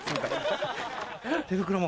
手袋も。